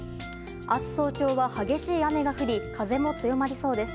明日早朝は激しい雨が降り風も強まりそうです。